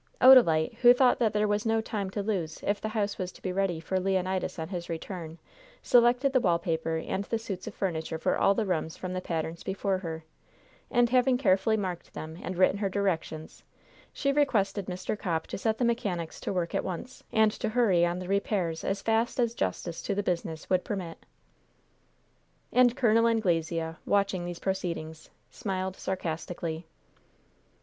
Odalite, who thought that there was no time to lose if the house was to be ready for Leonidas on his return, selected the wall paper and the suits of furniture for all the rooms from the patterns before her, and having carefully marked them and written her directions, she requested Mr. Copp to set the mechanics to work at once, and to hurry on the repairs as fast as justice to the business would permit. And Col. Anglesea, watching these proceedings, smiled sarcastically.